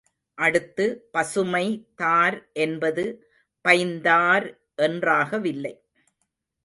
அடுத்து பசுமை தார் என்பது பைந்தார் என்றாகவில்லை.